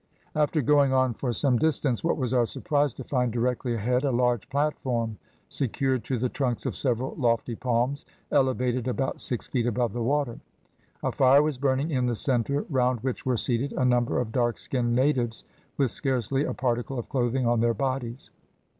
After going on for some distance, what was our surprise to find directly ahead a large platform, secured to the trunks of several lofty palms, elevated about six feet above the water. A fire was burning in the centre, round which were seated a number of dark skinned natives, with scarcely a particle of clothing on their bodies.